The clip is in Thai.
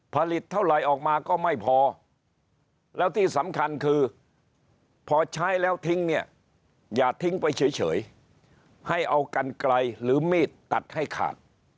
ผลิตเท่าไหร่ออกมาก็ไม่พอแล้วที่สำคัญคือพอใช้แล้วทิ้งเนี่ยอย่าทิ้งไปเฉยให้เอากันไกลหรือมีดตัดให้ขาด